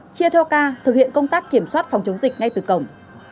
chia theo ca thực hiện công tác kiểm soát phòng chống dịch ngay từ cổng